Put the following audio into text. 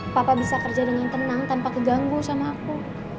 papa bisa kerja dengan tenang tanpa keganggu sama aku